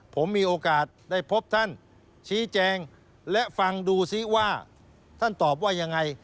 ผมมีโอกาสได้พบท่านชี้แจงและฟังดูซิว่าท่านตอบว่ายังไง